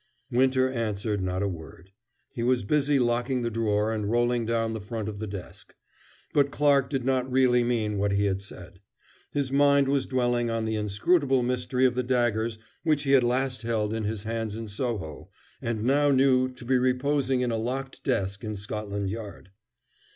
Winter answered not a word. He was busy locking the drawer and rolling down the front of the desk. But Clarke did not really mean what he had said. His mind was dwelling on the inscrutable mystery of the daggers which he had last held in his hands in Soho and now knew to be reposing in a locked desk in Scotland Yard.